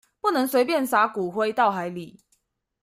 不能隨便灑骨灰到海裡